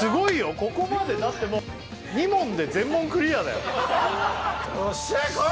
ここまでだってもう２問で全問クリアだよよっしゃこい！